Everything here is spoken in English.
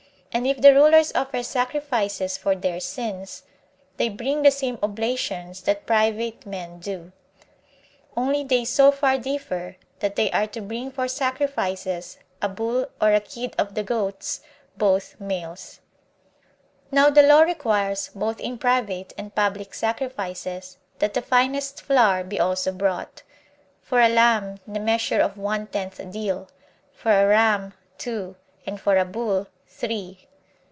And if the rulers offer sacrifices for their sins, they bring the same oblations that private men do; only they so far differ, that they are to bring for sacrifices a bull or a kid of the goats, both males. 4. Now the law requires, both in private and public sacrifices, that the finest flour be also brought; for a lamb the measure of one tenth deal, for a ram two, and for a bull three.